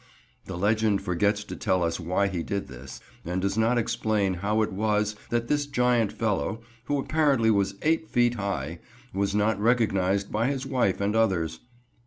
The legend forgets to tell us why he did this, and does not explain how it was that this giant fellow, who apparently was eight feet high, was not recognised by his wife and others.